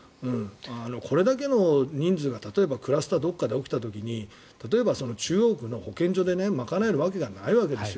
これだけの人数が例えば、クラスターがどこかで起きた時に例えば、中央区の保健所で賄えるわけないわけですよ。